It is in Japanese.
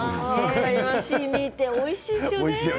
しみて、おいしいですよね。